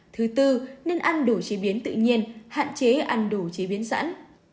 thứ tư nên ăn đổ chế biến tự nhiên hạn chế ăn đổ chế biến sẵn